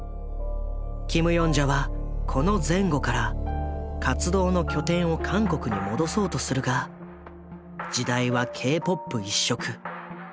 キム・ヨンジャはこの前後から活動の拠点を韓国に戻そうとするが時代はＫ−ＰＯＰ一色。